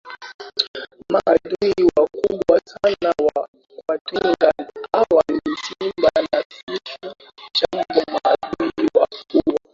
Maadui wakubwa sana kwa twiga hawa ni simba na fisi japo maadui hawa huwa